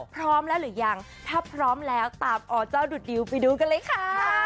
พร้อมแล้วหรือยังถ้าพร้อมแล้วตามอเจ้าดุดดิวไปดูกันเลยค่ะ